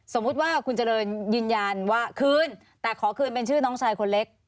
สมมุติว่าคุณเจริญยืนยันว่าคืนแต่ขอคืนเป็นชื่อน้องชายคนเล็ก